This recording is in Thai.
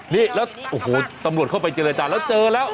นี่แล้วโอ้โหตำรวจเข้าไปเจรจาแล้วเจอแล้ว